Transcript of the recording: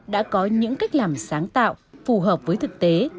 đã có những cách làm sáng tạo phù hợp với thực tế